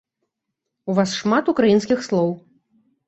У вас шмат украінскіх слоў.